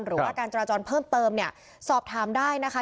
หรือว่าการจราจรเพิ่มเติมเนี่ยสอบถามได้นะคะ